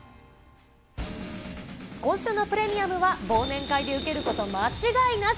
今週のプレミアムは、忘年会で受けること間違いなし。